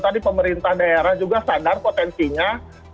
tadi pemerintah daerah juga sangat baik jadi kita harus memiliki tata kelola yang baik